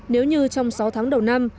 nếu như trong sáu tháng đầu năm